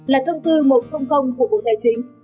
là thông tư một trăm linh của bộ tài chính